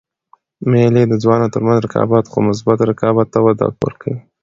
مېلې د ځوانانو تر منځ رقابت؛ خو مثبت رقابت ته وده ورکوي.